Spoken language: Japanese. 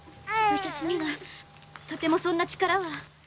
私にはとてもそんな力は。